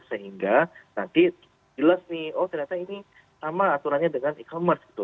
sehingga nanti jelas nih oh ternyata ini sama aturannya dengan e commerce gitu